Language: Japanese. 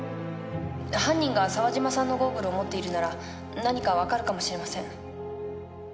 犯人が沢嶋さんのゴーグルを持っているなら何か分かるかもしれません。